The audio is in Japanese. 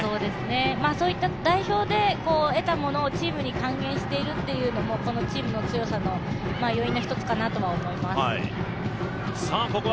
そういった代表で獲たものをチームに還元しているというのもこのチームの強さの要因の１つかなと思います。